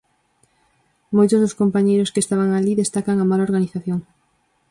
Moitos dos compañeiros que estaban alí destacan a mala organización.